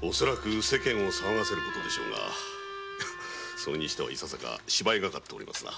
恐らく世間を騒がせる事でしょうがそれにしては芝居がかっておりますな。